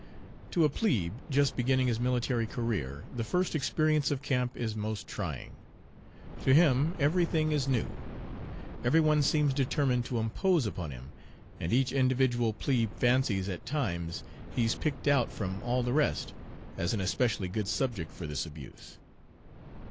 To a plebe just beginning his military career the first experience of camp is most trying. To him every thing is new. Every one seems determined to impose upon him, and each individual "plebe" fancies at times he's picked out from all the rest as an especially good subject for this abuse